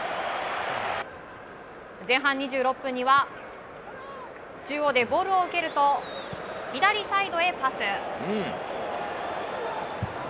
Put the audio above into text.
前半２６分には中央でボールを受けると左サイドへパス。